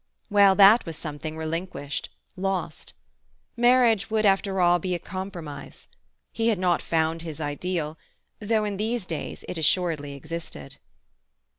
Well, that was something relinquished, lost. Marriage would after all be a compromise. He had not found his ideal—though in these days it assuredly existed.